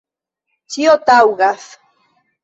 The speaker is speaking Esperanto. Ĉio taŭgas.